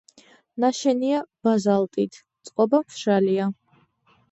ნაშენია ბაზალტით, წყობა მშრალია.